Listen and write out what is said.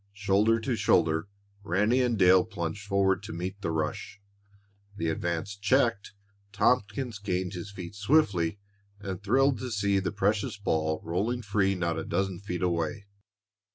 Shoulder to shoulder, Ranny and Dale plunged forward to meet the rush. The advance checked, Tompkins gained his feet swiftly and thrilled to see the precious ball rolling free not a dozen feet away.